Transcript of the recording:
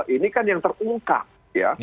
ini kan yang terungkap ya